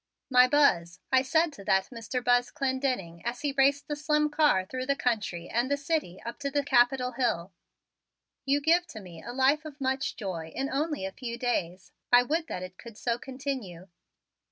"My Buzz," I said to that Mr. Buzz Clendenning as he raced the slim car through the country and the city up to the Capitol hill, "you give to me a life of much joy in only a few days. I would that it could so continue."